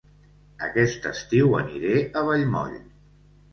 Aquest estiu aniré a Vallmoll